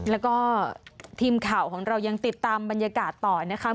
แล้วก็ทีมข่าวของเรายังติดตามบรรยากาศต่อนะคะ